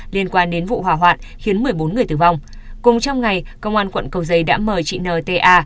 liên quan đến vụ hỏa hoạn khiến một mươi bốn người tử vong cùng trong ngày công an quận cầu giấy đã mời chị n t a